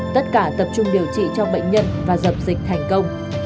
tất cả tập trung điều trị cho bệnh nhân và dập dịch thành công